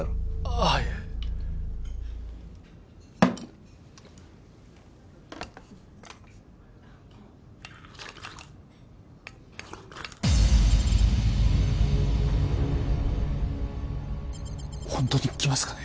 はいホントに来ますかね